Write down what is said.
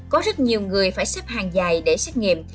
có rất nhiều người phải xếp hàng dài để xét nghiệm